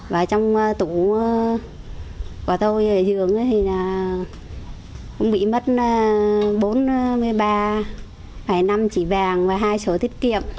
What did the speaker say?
và trong tủ của tôi ở giường thì cũng bị mất bốn mươi ba năm trị vàng và hai số tiết kiệm